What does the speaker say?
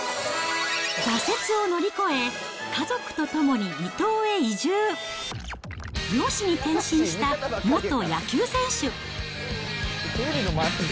挫折を乗り越え、家族と共に離島へ移住、漁師に転身した元野球選手。